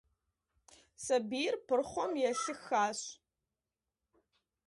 Сабийр пырхъуэм елъыхащ.